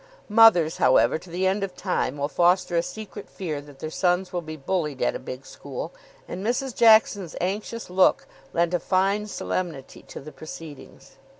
Mothers, however, to the end of time will foster a secret fear that their sons will be bullied at a big school, and Mrs. Jackson's anxious look lent a fine solemnity to the proceedings.